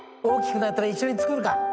大きくなったら一緒に作るか。